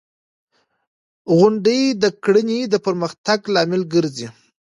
• غونډۍ د کرنې د پرمختګ لامل ګرځي.